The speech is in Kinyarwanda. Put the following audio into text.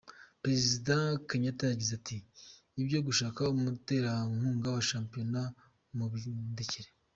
Perezida Kenyatta yagize ati “ Ibyo gushaka umuterankunga wa shampiyona mubindekere.